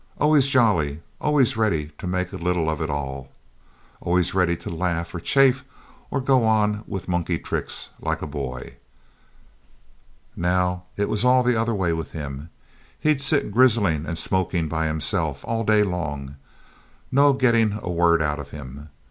Always jolly, always ready to make little of it all. Always ready to laugh or chaff or go on with monkey tricks like a boy. Now it was all the other way with him. He'd sit grizzling and smoking by himself all day long. No getting a word out of him.